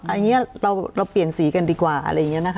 อันนี้เราเปลี่ยนสีกันดีกว่าอะไรอย่างนี้นะคะ